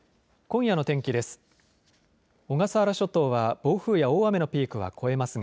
今夜の天気です。